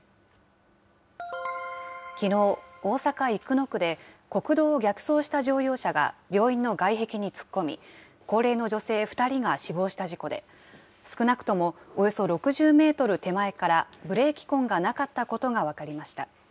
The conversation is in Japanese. きのう、大阪・生野区で、国道を逆走した乗用車が病院の外壁に突っ込み、高齢の女性２人が死亡した事故で、少なくともおよそ６０メートル手前から、ブレーキ痕がなかったことが分かりました。